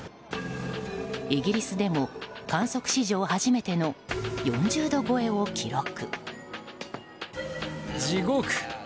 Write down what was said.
イギリスでも観測史上初めての４０度超えを記録。